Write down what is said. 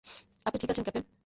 আপনি ঠিক আছেন, ক্যাপ্টেন।